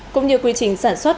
cũng như quy trình sản xuất